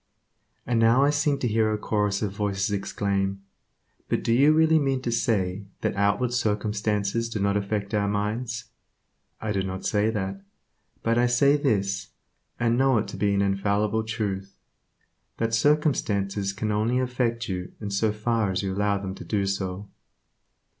And now I seem to hear a chorus of voices exclaim, "But do you really mean to say that outward circumstances do not affect our minds?" I do not say that, but I say this, and know it to be an infallible truth, that circumstances can only affect you in so far as you allow them to do so.